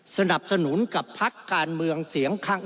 สนับสนุนกับพักการเมืองเสียงข้าง